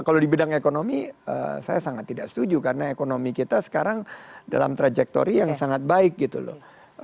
kalau di bidang ekonomi saya sangat tidak setuju karena ekonomi kita sekarang dalam trajektori yang sangat baik gitu loh